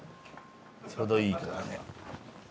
ちょうどいいからね。